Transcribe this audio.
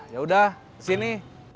ya udah kesini